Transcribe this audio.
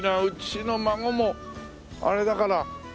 うちの孫もあれだから。